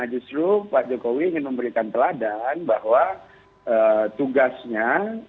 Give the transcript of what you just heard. justru pak jokowi ingin memberikan teladan bahwa tugasnya